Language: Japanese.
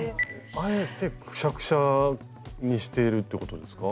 あえてクシャクシャにしているってことですか？